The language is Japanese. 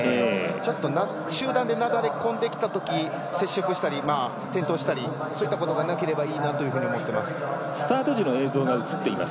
ちょっと集団で流れ込んできたとき接触したり、転倒したりそういったことがなければいいなスタート時の映像が映っています。